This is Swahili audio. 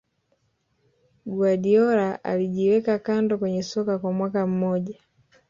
Guardiola alijiweka kando kwenye soka kwa mwaka mmoja